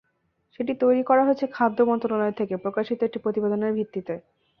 সেটি তৈরি করা হয়েছে খাদ্য মন্ত্রণালয় থেকে প্রকাশিত একটি প্রতিবেদনের ভিত্তিতে।